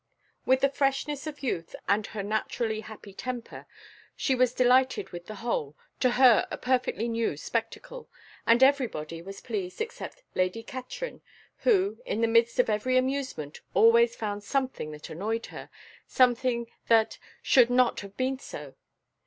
With the freshness of youth and of her naturally happy temper, she was delighted with the whole, to her a perfectly new spectacle, and every body was pleased except Lady Katrine, who, in the midst of every amusement, always found something that annoyed her, something that "should not have been so."